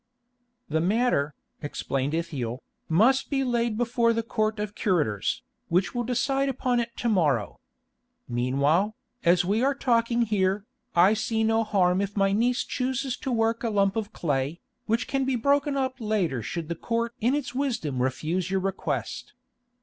"The matter," explained Ithiel, "must be laid before the Court of Curators, which will decide upon it to morrow. Meanwhile, as we are talking here, I see no harm if my niece chooses to work a lump of clay, which can be broken up later should the Court in its wisdom refuse your request."